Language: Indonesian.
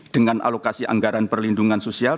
dengan alokasi anggaran perlindungan sosial